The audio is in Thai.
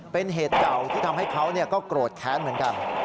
เป็นเหตุเก่าที่ทำให้เขาก็โกรธแค้นเหมือนกัน